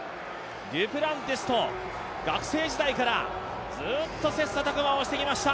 デュプランティスと学生時代からずっと切磋琢磨をしてきました。